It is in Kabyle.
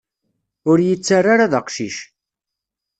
Ur yi-ttarra ara d aqcic.